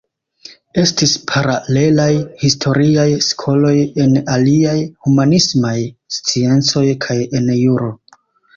Estis paralelaj historiaj skoloj en aliaj humanismaj sciencoj kaj en juro.